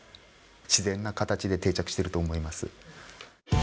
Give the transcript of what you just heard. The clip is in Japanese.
自然な形で定着してると思います。